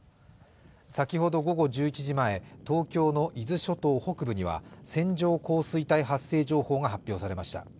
先ほど午後１１時前、東京の伊豆諸島北部では線状降水帯発生情報が発表されました。